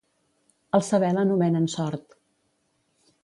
Al saber l'anomenen sort.